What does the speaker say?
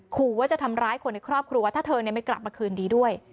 ขู่ว่าจะทำร้ายคนในครอบครัวถ้าเธอไม่กลับมาคืนดีด้วย